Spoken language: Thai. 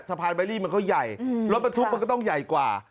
สะพานแบรี่มันก็ใหญ่รถมันทุกข์มันก็ต้องใหญ่กว่า